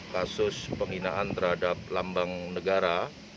kasus penghinaan terhadap lambang negara